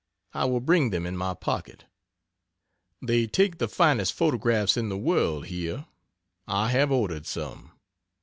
I will bring them in my pocket. They take the finest photographs in the world here. I have ordered some.